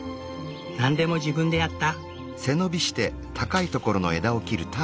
何でも自分でやった。